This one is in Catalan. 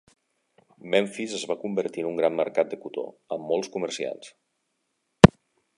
Memphis es va convertir en un gran mercat de cotó, amb molts comerciants.